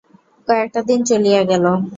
কয়েকটা দিন চলিয়া গেল।